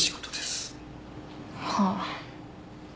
はあ。